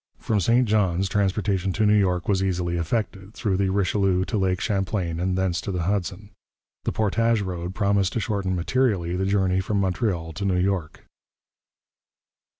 From St Johns transportation to New York was easily effected, through the Richelieu to Lake Champlain and thence to the Hudson. This portage road promised to shorten materially the journey from Montreal to New York.